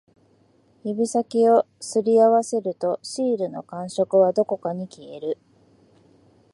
指先を擦り合わせると、シールの感触はどこかに消える